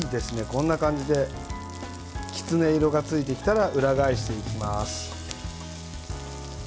こんな感じでキツネ色がついてきたら裏返していきます。